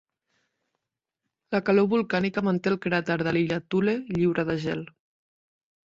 La calor volcànica manté el cràter de l’illa Thule lliure de gel.